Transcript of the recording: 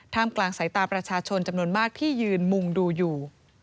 กลางสายตาประชาชนจำนวนมากที่ยืนมุงดูอยู่